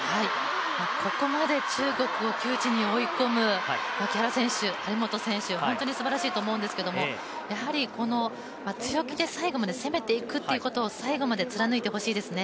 ここまで中国を窮地に追い込む木原選手、張本選手、本当にすばらしいと思うんですけど、強気で最後まで攻めていくということを最後まで貫いてほしいですね。